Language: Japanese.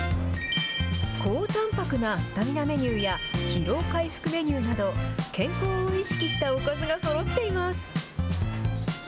高たんぱくなスタミナメニューや、疲労回復メニューなど、健康を意識したおかずがそろっています。